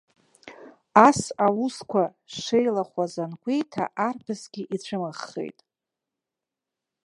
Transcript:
Ас аусқәа шеилахәаз ангәеиҭа, арԥысгьы ицәымыӷхеит.